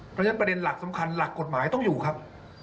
เพราะฉะนั้นประเด็นหลักสำคัญหลักกฎหมายต้องอยู่ครับ